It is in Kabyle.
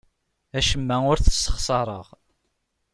Acemma ur t-ssexṣareɣ.